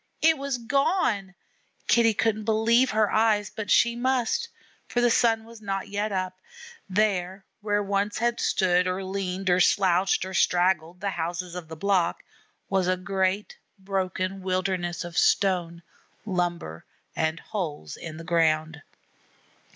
It was gone! Kitty couldn't believe her eyes; but she must, for the sun was not yet up. There where once had stood or leaned or slouched or straggled the houses of the block, was a great broken wilderness of stone, lumber, and holes in the ground.